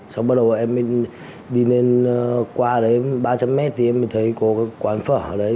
xong bắt đầu em đi lên qua đấy ba trăm linh m thì em thấy có quán phở ở đấy